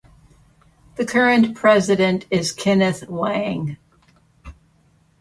The current President is Kenneth Wang.